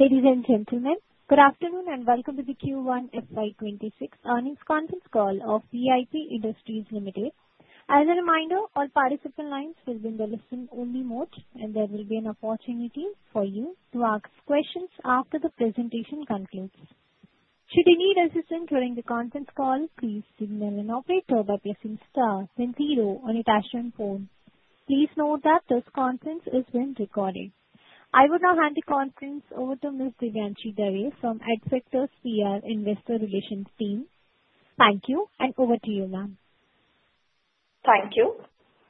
Ladies and gentlemen, good afternoon and welcome to the Q1 FY 2026 Earnings Conference Call of VIP Industries Limited. As a reminder, all participant lines will be in the listen-only mode, and there will be an opportunity for you to ask questions after the presentation concludes. Should you need assistance during the conference call, please signal an operator by pressing star then zero on your touchscreen phone. Please note that this conference is being recorded. I will now hand the conference over to Ms. Devanshi Dhruva from Adfactors PR Investor Relations team. Thank you, and over to you, ma'am. Thank you.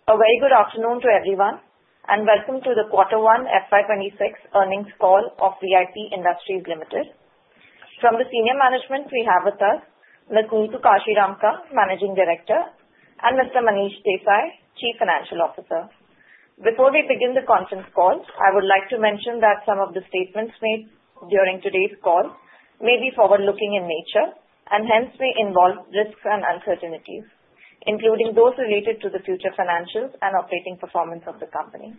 A very good afternoon to everyone, and welcome to the Q1 FY 2026 Earnings Call of VIP Industries Limited. From the senior management, we have with us Ms. Neetu Kashiramka, Managing Director, and Mr. Manish Desai, Chief Financial Officer. Before we begin the conference call, I would like to mention that some of the statements made during today's call may be forward-looking in nature and hence may involve risks and uncertainties, including those related to the future financials and operating performance of the company.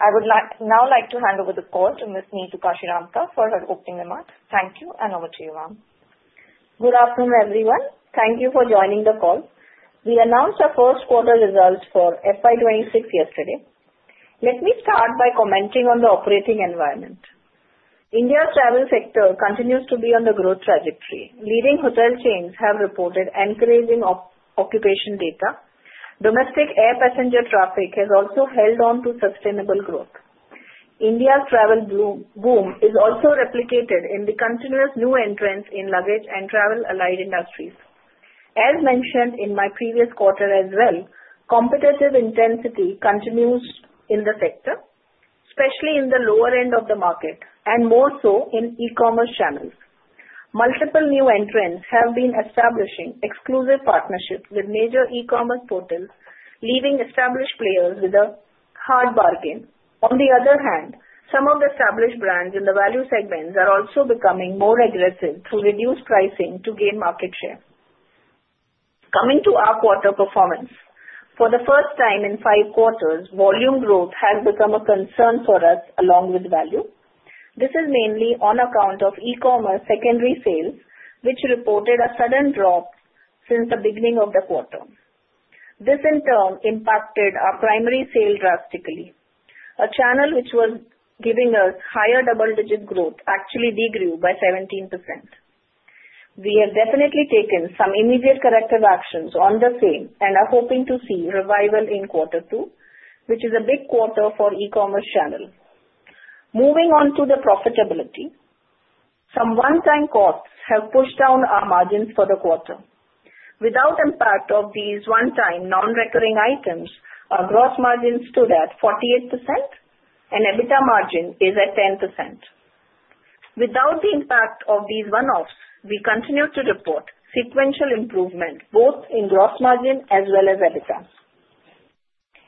I would now like to hand over the call to Ms. Neetu Kashiramka for her opening remarks. Thank you, and over to you, ma'am. Good afternoon, everyone. Thank you for joining the call. We announced our first quarter results for FY 2026 yesterday. Let me start by commenting on the operating environment. India's travel sector continues to be on the growth trajectory. Leading hotel chains have reported encouraging occupation data. Domestic air passenger traffic has also held on to sustainable growth. India's travel boom is also replicated in the continuous new entrants in luggage and travel-related industries. As mentioned in my previous quarter as well, competitive intensity continues in the sector, especially in the lower end of the market and more so in e-commerce channels. Multiple new entrants have been establishing exclusive partnerships with major e-commerce portals, leaving established players with a hard bargain. On the other hand, some of the established brands in the value segments are also becoming more aggressive through reduced pricing to gain market share. Coming to our quarter performance, for the first time in five quarters, volume growth has become a concern for us along with value. This is mainly on account of e-commerce secondary sales, which reported a sudden drop since the beginning of the quarter. This, in turn, impacted our primary sale drastically. A channel which was giving us higher double-digit growth actually degrew by 17%. We have definitely taken some immediate corrective actions on the same and are hoping to see revival in Q2, which is a big quarter for e-commerce channels. Moving on to the profitability, some one-time costs have pushed down our margins for the quarter. Without the impact of these one-time non-recurring items, our gross margins stood at 48%, and EBITDA margin is at 10%. Without the impact of these one-offs, we continue to report sequential improvement both in gross margin as well as EBITDA.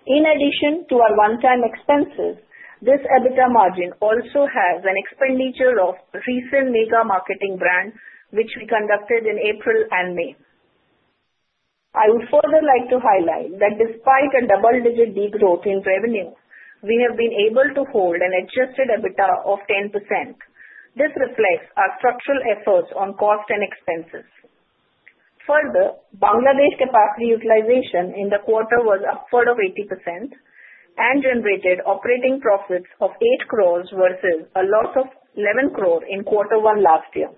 In addition to our one-time expenses, this EBITDA margin also has an expenditure of recent mega marketing brands, which we conducted in April and May. I would further like to highlight that despite a double-digit degrowth in revenue, we have been able to hold an Adjusted EBITDA of 10%. This reflects our structural efforts on cost and expenses. Further, Bangladesh capacity utilization in the quarter was upward of 80% and generated operating profits of 8 crores versus a loss of 11 crores in Q1 last year.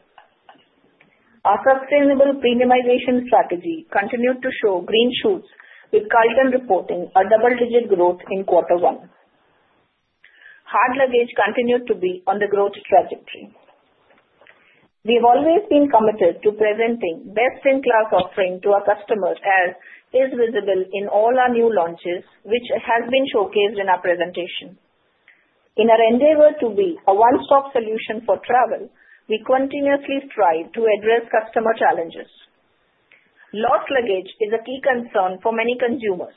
Our sustainable premiumization strategy continued to show green shoots, with Carlton reporting a double-digit growth in Q1. Hard luggage continued to be on the growth trajectory. We have always been committed to presenting best-in-class offerings to our customers, as is visible in all our new launches, which has been showcased in our presentation. In our endeavor to be a one-stop solution for travel, we continuously strive to address customer challenges. Lost luggage is a key concern for many consumers.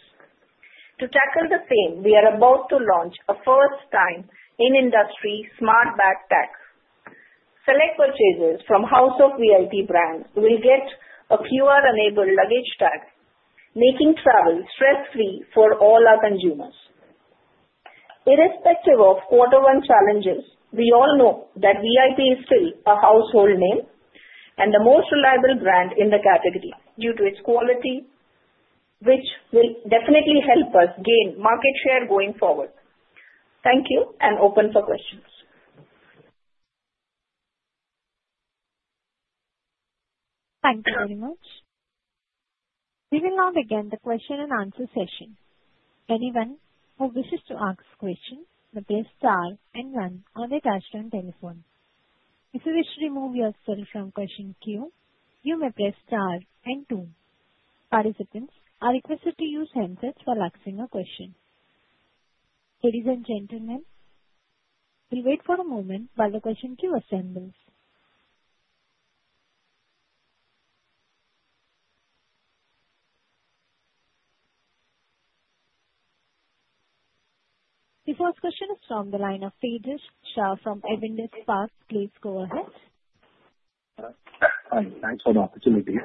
To tackle the same, we are about to launch a first-time in-industry smart bag tag. Select purchases from House of VIP brands will get a QR-enabled luggage tag, making travel stress-free for all our consumers. Irrespective of Q1 challenges, we all know that VIP is still a household name and the most reliable brand in the category due to its quality, which will definitely help us gain market share going forward. Thank you and open for questions. Thank you very much. We will now begin the question-and-answer session. Anyone who wishes to ask a question may press star and 1 on the touchscreen telephone. If you wish to remove yourself from question queue, you may press star and 2. Participants are requested to use handsets while asking a question. Ladies and gentlemen, please wait for a moment while the question queue assembles. If you have questions from the line of Tejas Shah from Avendus Spark, please go ahead. Thanks for the opportunity.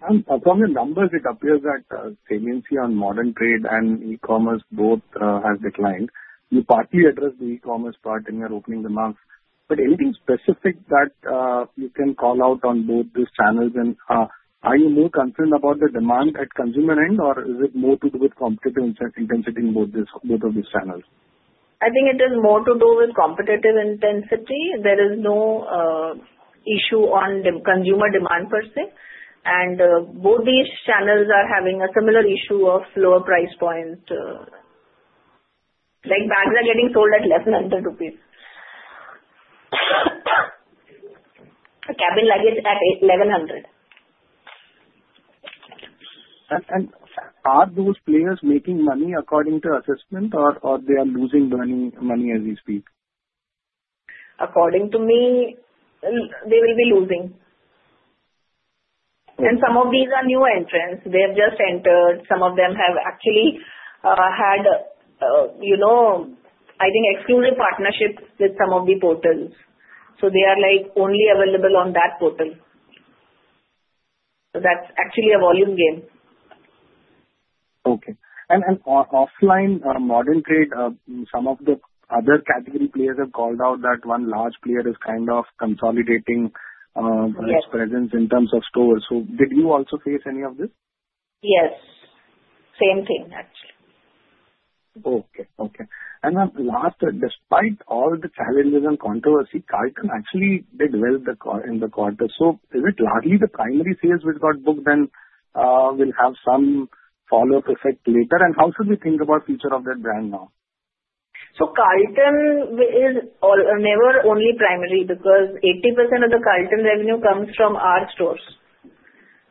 From the numbers, it appears that saliency on modern trade and e-commerce both has declined. You partly addressed the e-commerce part in your opening remarks, but anything specific that you can call out on both these channels? And are you more concerned about the demand at consumer end, or is it more to do with competitive intensity in both of these channels? I think it is more to do with competitive intensity. There is no issue on consumer demand per se, and both these channels are having a similar issue of lower price points. Bags are getting sold at less than INR 100. Cabin luggage at 1,100. Are those players making money according to assessment, or are they losing money as we speak? According to me, they will be losing, and some of these are new entrants. They have just entered. Some of them have actually had, I think, exclusive partnerships with some of the portals, so they are only available on that portal, so that's actually a volume gain. Okay. Offline modern trade, some of the other category players have called out that one large player is kind of consolidating its presence in terms of stores. So did you also face any of this? Yes. Same thing, actually. Okay. Okay. And then last, despite all the challenges and controversy, Carlton actually did well in the quarter. So is it largely the primary sales which got booked and will have some follow-up effect later? And how should we think about the future of that brand now? So Carlton is never only primary because 80% of the Carlton revenue comes from our stores,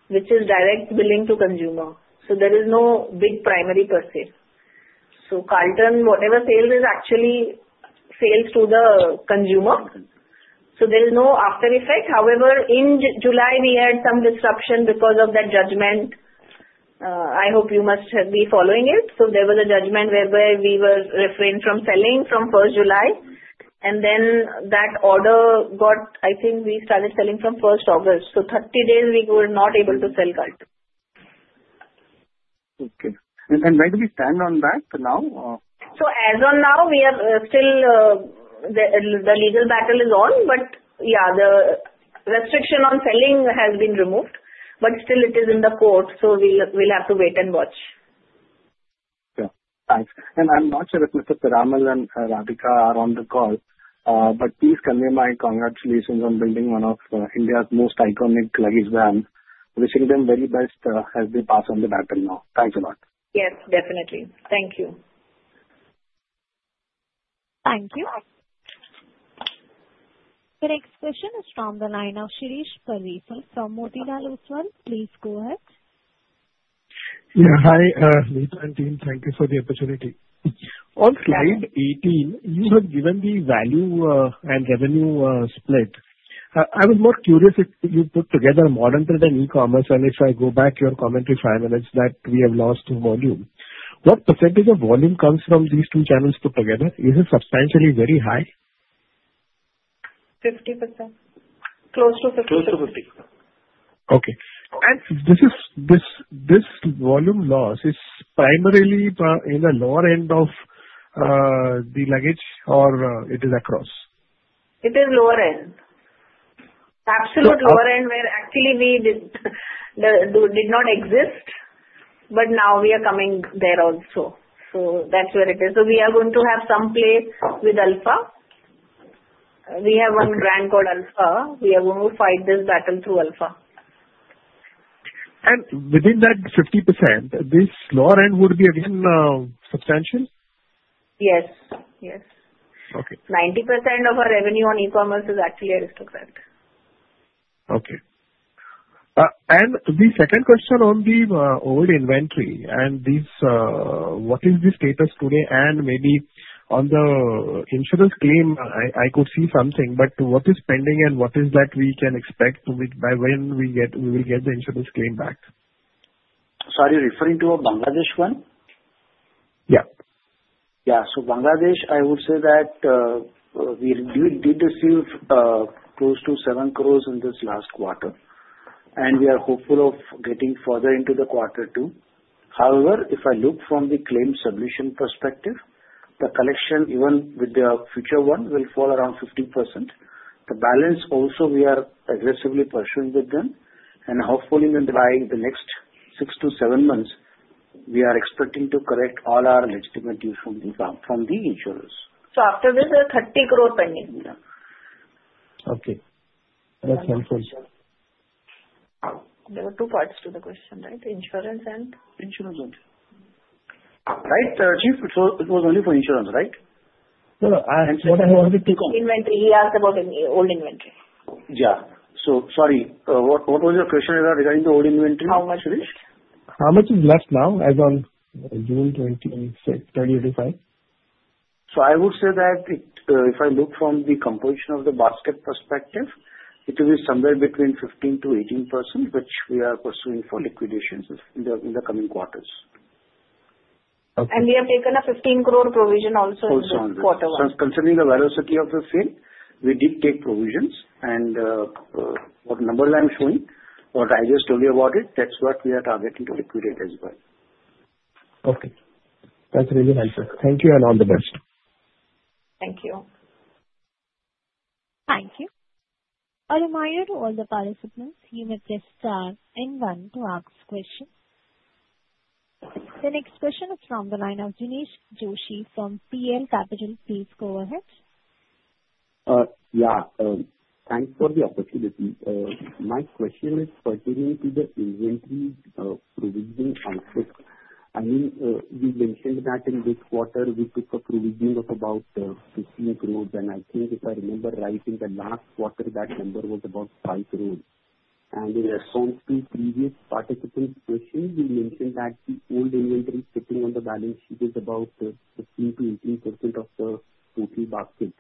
which is direct billing to consumer. So there is no big primary per se. So Carlton, whatever sales is actually sales to the consumer. So there is no after-effect. However, in July, we had some disruption because of that judgment. I hope you must be following it. So there was a judgment whereby we were restrained from selling from 1st July. And then that order got, I think we started selling from 1st August. So 30 days, we were not able to sell Carlton. Okay, and where do we stand on that now? So as of now, we are still the legal battle is on, but yeah, the restriction on selling has been removed, but still it is in the court. So we'll have to wait and watch. Okay. Thanks. And I'm not sure if Mr. Dilip Piramal and Radhika are on the call, but please convey my congratulations on building one of India's most iconic luggage brands. Wishing them very best as they pass on the baton now. Thanks a lot. Yes, definitely. Thank you. Thank you. The next question is from the line of Shirish Pardeshi from Motilal Oswal. Please go ahead. Yeah. Hi, VIP and team. Thank you for the opportunity. On slide 18, you have given the value and revenue split. I was more curious if you put together modern trade and e-commerce, and if I go back your commentary five minutes that we have lost volume. What percentage of volume comes from these two channels put together? Is it substantially very high? 50%. Close to 50%. Close to 50%. Okay. And this volume loss is primarily in the lower end of the luggage, or it is across? It is lower end. Absolute lower end where actually we did not exist, but now we are coming there also. So that's where it is. So we are going to have some play with Alfa. We have one brand called Alfa. We are going to fight this battle through Alfa. Within that 50%, this lower end would be again substantial? Yes. Yes. Okay. 90% of our revenue on e-commerce is actually at this point. Okay. And the second question on the old inventory and what is the status today? And maybe on the insurance claim, I could see something, but what is pending and what is that we can expect by when we will get the insurance claim back? Sorry, referring to a Bangladesh one? Yeah. Yeah. So, Bangladesh, I would say that we did receive close to 7 crores in this last quarter, and we are hopeful of getting further into the quarter two. However, if I look from the claim submission perspective, the collection, even with the future one, will fall around 15%. The balance also we are aggressively pursuing with them, and hopefully, in the next six to seven months, we are expecting to collect all our legitimate dues from the insurance. After this, there are INR 30 crores pending. Okay. That's helpful. There were two parts to the question, right? Insurance and? Insurance and. Right, Chief? So it was only for insurance, right? No. What is the take-on? Inventory. He asked about old inventory. Yeah, so sorry, what was your question regarding the old inventory, Shirish? How much is left now as of June 25th, 2025? I would say that if I look from the composition of the basket perspective, it will be somewhere between 15%-18%, which we are pursuing for liquidations in the coming quarters. have taken a 150 million provision also in the quarter one. Considering the veracity of the sale, we did take provisions. What number I'm showing, what I just told you about it, that's what we are targeting to liquidate as well. Okay. That's really helpful. Thank you and all the best. Thank you. Thank you. A reminder to all the participants, you may press star and 1 to ask questions. The next question is from the line of Jinesh Joshi from PL Capital. Please go ahead. Yeah. Thanks for the opportunity. My question is pertaining to the inventory provision aspect. I mean, you mentioned that in this quarter, we took a provision of about 15 crores, and I think if I remember right, in the last quarter, that number was about 5 crores. And in response to previous participants' questions, you mentioned that the old inventory sitting on the balance sheet is about 15%-18% of the total basket.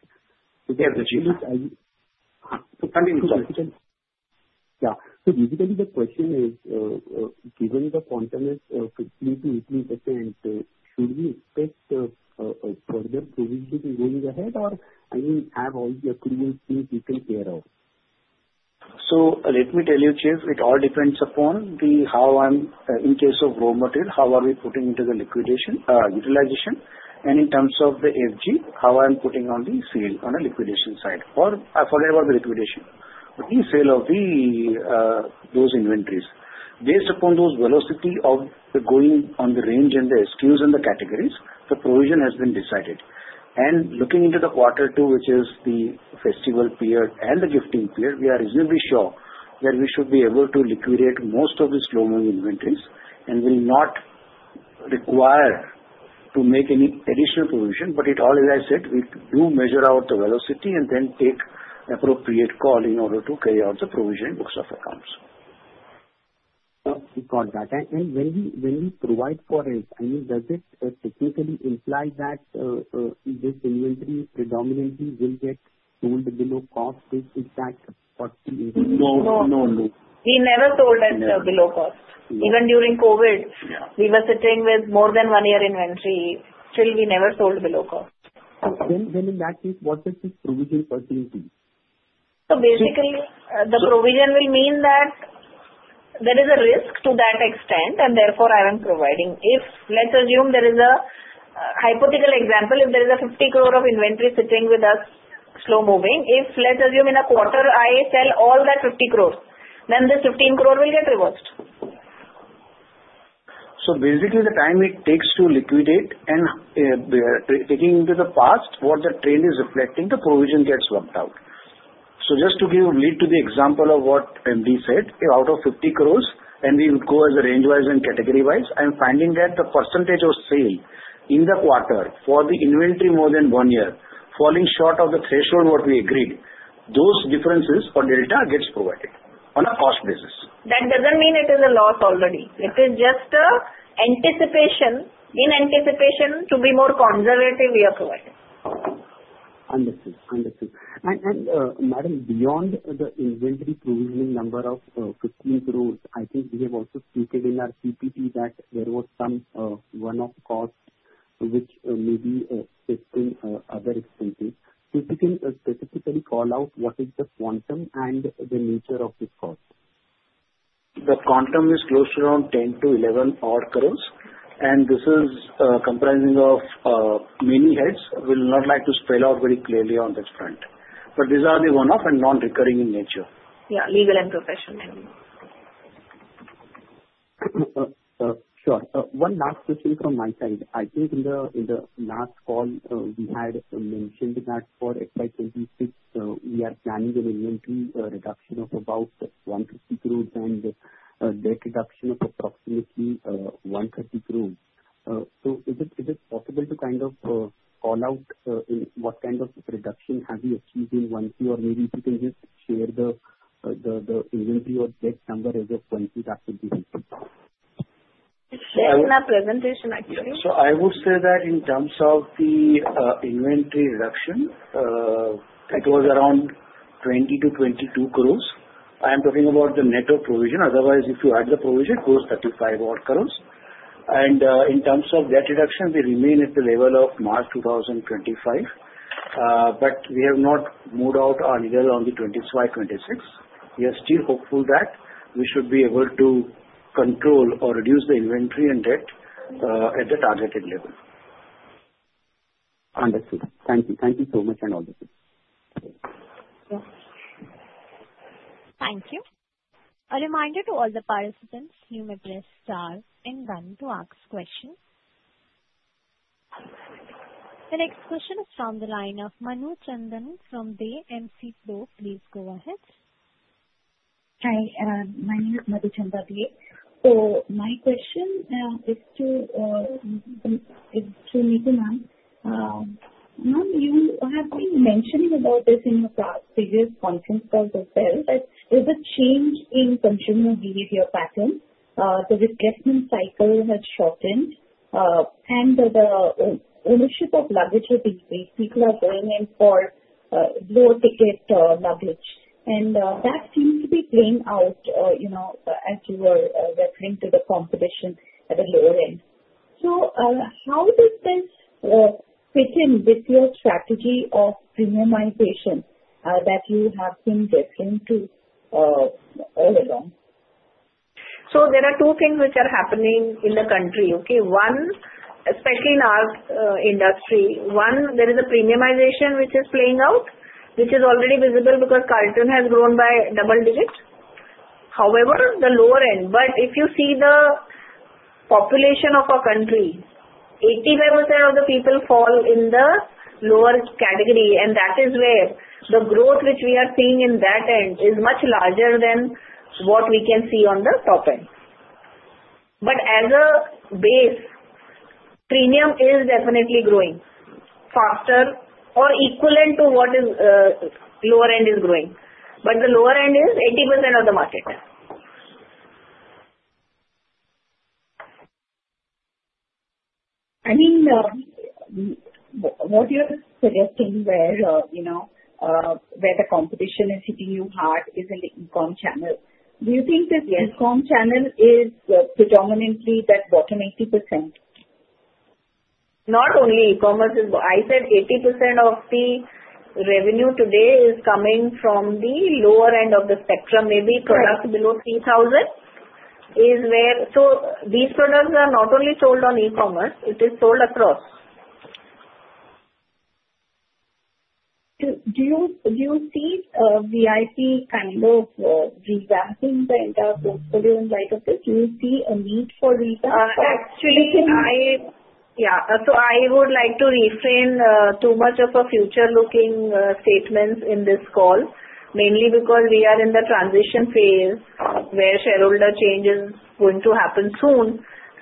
Yes, Jinesh So continue. Yeah. So basically, the question is, given the quantum as 15%-18%, should we expect further provision going ahead, or I mean, have all the accrual things been taken care of? So let me tell you, Jinesh, it all depends upon how I'm in case of raw material, how are we putting into the liquidation utilization, and in terms of the FG, how I'm putting on the sale on the liquidation side. Or I forget about the liquidation. But the sale of those inventories, based upon those velocity of the going on the range and the SKUs and the categories, the provision has been decided. And looking into the quarter two, which is the festival period and the gifting period, we are reasonably sure that we should be able to liquidate most of these low-moving inventories and will not require to make any additional provision. But it all, as I said, we do measure out the velocity and then take appropriate call in order to carry out the provision books of accounts. Got that. And when we provide for it, I mean, does it technically imply that this inventory predominantly will get sold below cost? Is that what the inventory? No. No. No. We never sold it below cost. Even during COVID, we were sitting with more than one-year inventory. Still, we never sold below cost. Then in that case, what does this provision pertain to? So basically, the provision will mean that there is a risk to that extent, and therefore I am providing. Let's assume there is a hypothetical example. If there is a 50 crore of inventory sitting with us, slow-moving, if let's assume in a quarter I sell all that 50 crores, then this 15 crore will get reversed. So basically, the time it takes to liquidate and taking into the past, what the trade is reflecting, the provision gets lumped out. So just to give lead to the example of what MD said, out of 50 crores, and we would go as a range-wise and category-wise, I'm finding that the percentage of sale in the quarter for the inventory more than one year falling short of the threshold what we agreed, those differences for delta gets provided on a cost basis. That doesn't mean it is a loss already. It is just an anticipation. In anticipation to be more conservative, we are providing. Understood. Understood. And Madam, beyond the inventory provisioning number of 150 million, I think we have also stated in our PPT that there was some run-off cost, which may be affecting other expenses. Could you specifically call out what is the quantum and the nature of this cost? The quantum is close to around 10-11 odd crores, and this is comprising of many heads. We would not like to spell out very clearly on this front. But these are the one-off and non-recurring in nature. Yeah. Legal and professional. Sure. One last question from my side. I think in the last call, we had mentioned that for FY 2026, we are planning an inventory reduction of about 150 crores and a net reduction of approximately 130 crores. So is it possible to kind of call out what kind of reduction have you achieved in March, or maybe if you can just share the inventory or debt number as of March, that would be helpful. It's shared in our presentation, actually. I would say that in terms of the inventory reduction, it was around 20-22 crores. I am talking about the net of provision. Otherwise, if you add the provision, it goes 35 odd crores. In terms of debt reduction, we remain at the level of March 2025, but we have not moved out anywhere on the 2025-26. We are still hopeful that we should be able to control or reduce the inventory and debt at the targeted level. Understood. Thank you. Thank you so much and all the best. Thank you. A reminder to all the participants, you may press star and 1 to ask questions. The next question is from the line of Manu Chandan from the MC Pro. Please go ahead. Hi. My name is Manu Chandan here. So my question is to Neetu. You have been mentioning about this in your previous conference calls as well. But there's a change in consumer behavior pattern. The replacement cycle has shortened, and the ownership of luggage has increased. People are going in for lower-ticket luggage. And that seems to be playing out as you were referring to the competition at the lower end. So how does this fit in with your strategy of premiumization that you have been referring to all along? There are two things which are happening in the country. Okay. One, especially in our industry, one, there is a premiumization which is playing out, which is already visible because Carlton has grown by double digits. However, the lower end. But if you see the population of our country, 85% of the people fall in the lower category. And that is where the growth which we are seeing in that end is much larger than what we can see on the top end. But as a base, premium is definitely growing faster or equivalent to what is lower end is growing. But the lower end is 80% of the market. I mean, what you're suggesting where the competition is hitting you hard is in the e-com channel. Do you think that e-com channel is predominantly that bottom 80%? Not only e-commerce, as I said, 80% of the revenue today is coming from the lower end of the spectrum. Maybe products below 3,000 is where, so these products are not only sold on e-commerce. It is sold across. Do you see VIP kind of revamping the entire portfolio in light of this? Do you see a need for revamp? Actually, yeah. So I would like to refrain from too much of a future-looking statement in this call, mainly because we are in the transition phase where shareholder change is going to happen soon.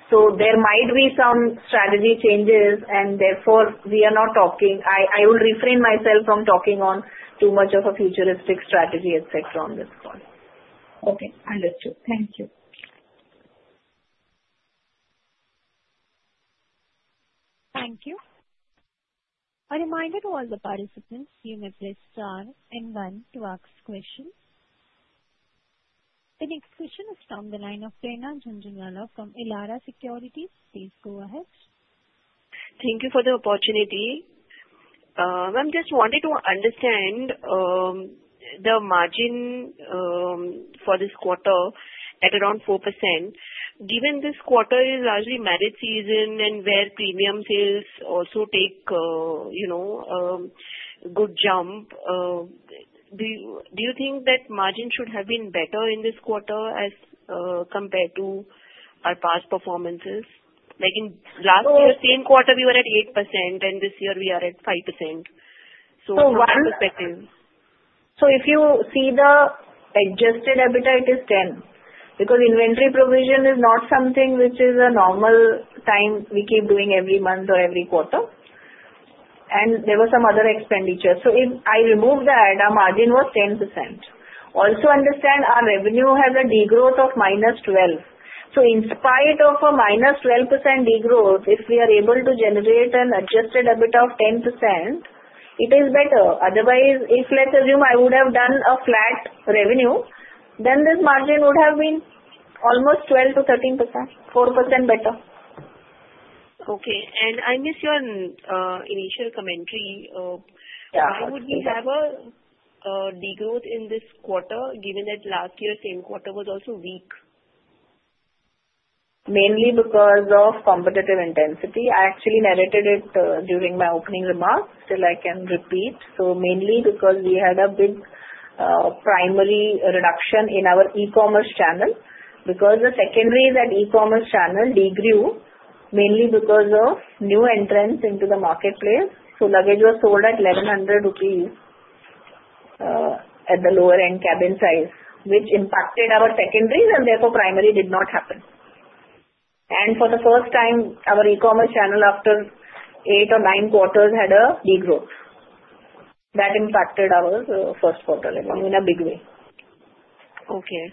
So there might be some strategy changes, and therefore we are not talking. I will refrain myself from talking on too much of a futuristic strategy, etc., on this call. Okay. Understood. Thank you. Thank you. A reminder to all the participants, you may press star and 1 to ask questions. The next question is from the line of Prerna Jhunjhunwala from Elara Securities. Please go ahead. Thank you for the opportunity. I just wanted to understand the margin for this quarter at around 4%. Given this quarter is largely marriage season and where premium sales also take a good jump, do you think that margin should have been better in this quarter as compared to our past performances? Like in last year, same quarter, we were at 8%, and this year we are at 5%. So from that perspective. If you see the Adjusted EBITDA, it is 10% because inventory provision is not something which is a normal time we keep doing every month or every quarter. And there were some other expenditures. If I remove that, our margin was 10%. Also understand our revenue has a de-growth of -12%. In spite of a -12% de-growth, if we are able to generate an Adjusted EBITDA of 10%, it is better. Otherwise, if let's assume I would have done a flat revenue, then this margin would have been almost 12%-13%, 4% better. Okay, and I miss your initial commentary. Why would we have a degrowth in this quarter given that last year, same quarter, was also weak? Mainly because of competitive intensity. I actually narrated it during my opening remarks. Still, I can repeat, so mainly because we had a big primary reduction in our e-commerce channel because the secondary that e-commerce channel degrew mainly because of new entrants into the marketplace, so luggage was sold at INR 1,100 at the lower-end cabin size, which impacted our secondary and therefore primary did not happen, and for the first time, our e-commerce channel after eight or nine quarters had a degrowth. That impacted our first quarter in a big way. Okay,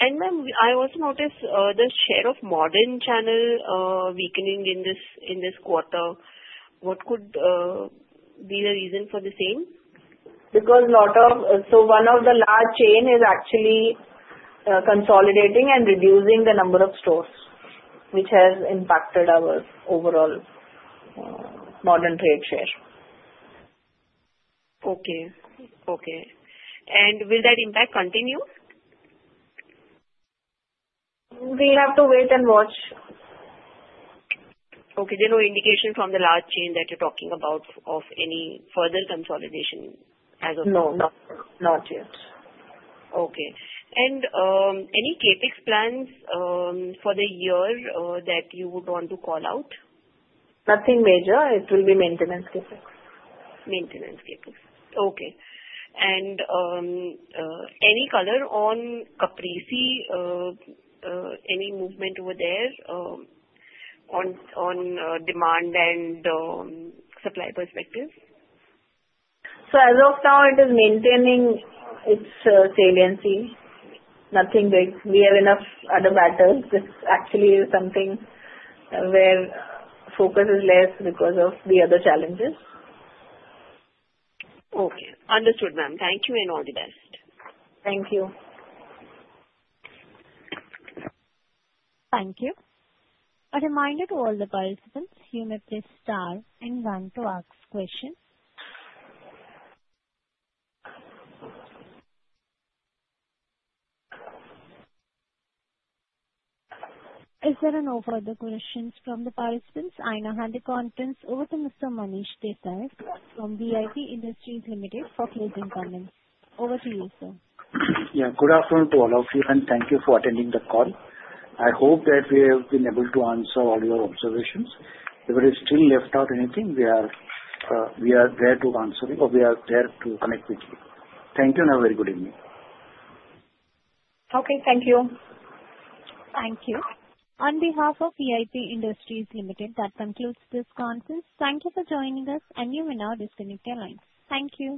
and then I also noticed the share of modern channel weakening in this quarter. What could be the reason for the same? Because one of the large chains is actually consolidating and reducing the number of stores, which has impacted our overall modern trade share. Okay, Okay And will that impact continue? We'll have to wait and watch. Okay. There's no indication from the large chain that you're talking about of any further consolidation as of now? No. Not yet. Okay. And any CapEx plans for the year that you would want to call out? Nothing major. It will be maintenance CapEx. Maintenance CapEx. Okay. And any color on Caprese? Any movement over there on demand and supply perspective? So as of now, it is maintaining its saliency. Nothing big. We have enough other categories. This actually is something where focus is less because of the other challenges. Okay. Understood, ma'am. Thank you and all the best. Thank you. Thank you. A reminder to all the participants, you may press star and 1 to ask question. Is there no further questions from the participants? I now hand the call over to Mr. Manish Desai from VIP Industries Limited for closing comments. Over to you, sir. Yeah. Good afternoon to all of you, and thank you for attending the call. I hope that we have been able to answer all your observations. If there is still left out anything, we are there to answer it, or we are there to connect with you. Thank you, and have a very good evening. Okay. Thank you. Thank you. On behalf of VIP Industries Limited, that concludes this conference. Thank you for joining us, and you may now disconnect your line. Thank you.